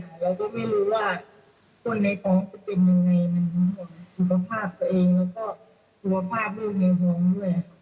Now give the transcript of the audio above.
เราก็ไม่รู้ว่าคนในท้องจะเป็นยังไงมันสุขภาพตัวเองแล้วก็สุขภาพลูกในห่วงด้วย